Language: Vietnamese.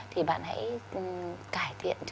thì bạn hãy cải thiện